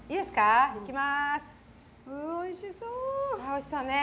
あおいしそうね。